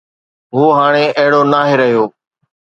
هو هاڻي اهڙو ناهي رهيو.